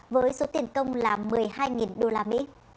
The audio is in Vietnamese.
với số tiền công là một mươi hai usd